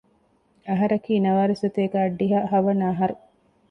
އަހަރަކީ ނަވާރަސަތޭކަ އަށްޑިހަ ހަވަނަ އަހަރު